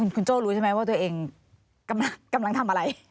คุณโจ้รู้ใช่ไหมว่าตัวเองกำลังทำอะไร